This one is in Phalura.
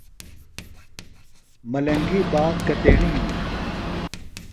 ملنگی باغ کتیݨی ہِنی؟